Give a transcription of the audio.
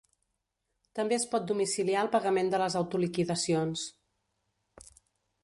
També es pot domiciliar el pagament de les autoliquidacions.